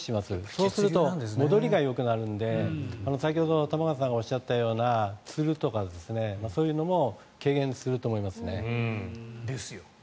そうすると戻りがよくなるので先ほど玉川さんがおっしゃったようなつるとか、そういうのも軽減すると思いますね。ですよ。